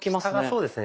そうですね。